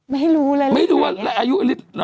ไม่รู้เลยริมเหมือนกันเนาะอ่าไม่เรียน